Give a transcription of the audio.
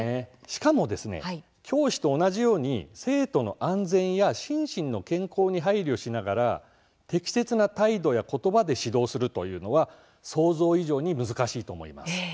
しかも、教師と同じように生徒の安全や心身の健康に配慮しながら適切な態度やことばで指導するというのは想像以上に難しいと思います。